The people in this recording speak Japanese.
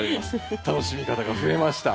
楽しみ方が増えました。